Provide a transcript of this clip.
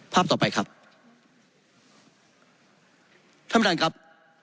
ภาพต่อไปครับท่านประธานครับ